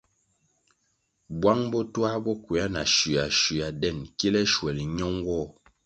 Bwang bo twā bo kwea na shua shua den kile shuel ño nwoh.